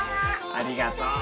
ありがとう。